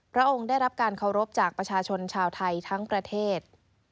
พระองค์ได้รับการเคารพจากประชาชนชาวไทยทั้งประเทศ